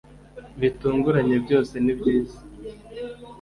ibitunganye byose nibyiza.